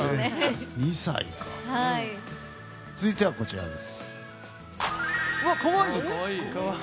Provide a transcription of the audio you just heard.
続いては、こちらです。